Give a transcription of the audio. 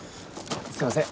すいません。